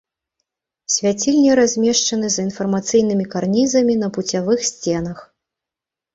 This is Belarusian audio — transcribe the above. Свяцільні размешчаны за інфармацыйнымі карнізамі на пуцявых сценах.